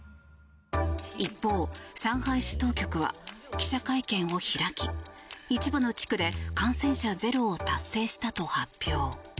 一方、上海市当局は記者会見を開き一部の地区で感染者ゼロを達成したと発表。